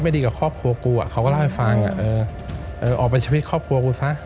เราก็เล่าให้ฟังเออเออออกไปชีวิตครอบครัวกูซะ